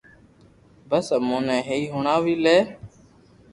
بس امو ني ھي ھڻاو وي لي